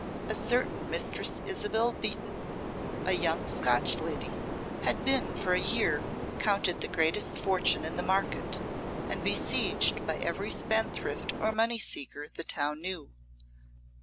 A certain Mistress Isabel Beaton, a young Scotch lady, had been for a year counted the greatest fortune in the market, and besieged by every spendthrift or money seeker the town knew.